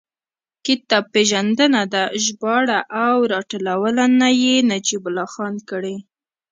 کتاب پېژندنه ده، ژباړه او راټولونه یې نجیب الله خان کړې.